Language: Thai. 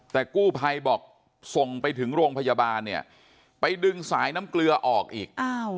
แต่กู้ภัยบอกส่งไปถึงโรงพยาบาลเนี่ยไปดึงสายน้ำเกลือออกอีก